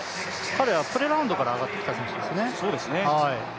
彼はプレラウンドから上がってきた選手ですね。